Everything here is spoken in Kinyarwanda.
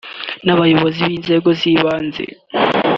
n’abayobozi b’inzego z’ibanze